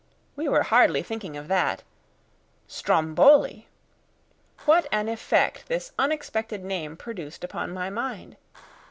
We were hardly thinking of that. Stromboli! What an effect this unexpected name produced upon my mind!